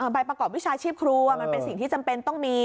ใบประกอบวิชาชีพครูมันเป็นสิ่งที่จำเป็นต้องมี